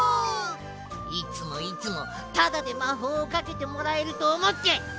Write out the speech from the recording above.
いつもいつもただでまほうをかけてもらえるとおもって！